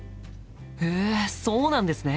へえそうなんですね。